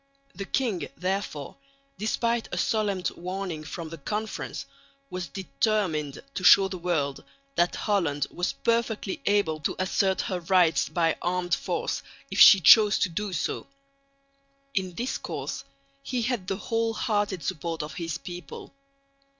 The king, therefore, despite a solemn warning from the Conference, was determined to show the world that Holland was perfectly able to assert her rights by armed force if she chose to do so. In this course he had the whole hearted support of his people.